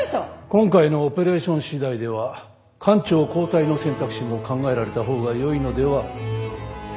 今回のオペレーション次第では艦長交代の選択肢も考えられたほうがよいのでは？